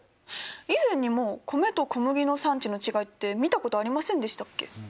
以前にも米と小麦の産地の違いって見たことありませんでしたっけ？